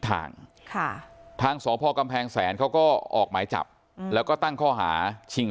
ทางค่ะทางทางสพกำแพงแสนเขาก็ออกหมายจับแล้วก็ตั้งข้อหาชิง